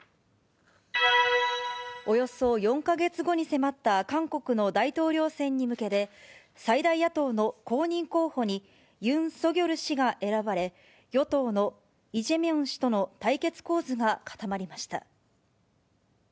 およそ４か月後に迫った韓国の大統領選に向けて、最大野党の公認候補に、ユン・ソギョル氏が選ばれ、与党のイ・ジェミョン氏との対決構図が固まりました。